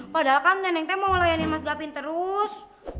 padahal kan nenengnya mau layanin mas gavind terus